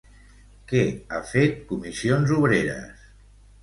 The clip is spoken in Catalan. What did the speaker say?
Què ha fet comissions obreres?